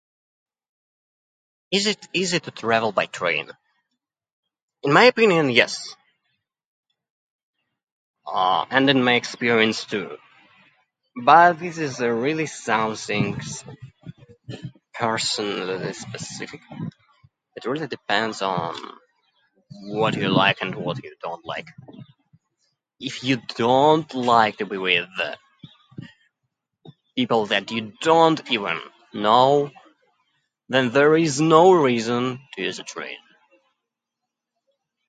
Is it easy to travel by train? In my opinion, yes. Uh, and in my experience, too. But this is really something personally specific. It really depends on what you like and what you don't like. If you don't like to be with people that you don't even know, then there is no reason to use a train.